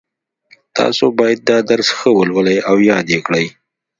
تاسو باید دا درس ښه ولولئ او یاد یې کړئ